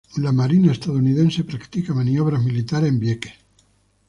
La marina estadounidense practica maniobras militares en Vieques.